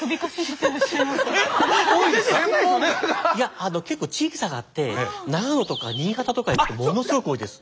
いや結構地域差があって長野とか新潟とか行くとものすごく多いです。